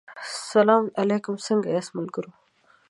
سلا علیکم څنګه یاست ملګرو